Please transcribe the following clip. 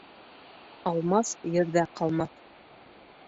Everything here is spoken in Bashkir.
Алмас ерҙә ҡалмаҫ.